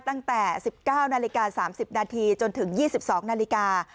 ตั้งแต่๑๙นาฬิกา๓๐นาทีจนถึง๒๒นาฬิกา